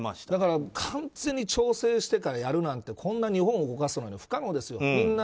だから、完全に調整してからやるなんてこんな日本を動かしてたら不可能ですよ。